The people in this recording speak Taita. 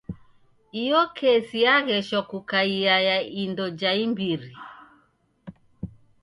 Iyo kesi yagheshwa kukaia ya indo ja imbiri.